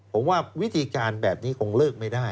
ผมว่าวิธีการแบบนี้คงเลิกไม่ได้